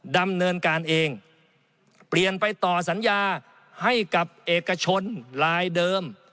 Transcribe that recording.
ดำเนินการเองเปลี่ยนไปต่อสัญญาให้กับเอกชนลายเดิม